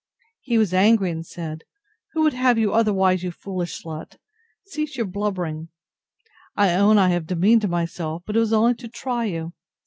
He was angry, and said, Who would have you otherwise, you foolish slut! Cease your blubbering. I own I have demeaned myself; but it was only to try you.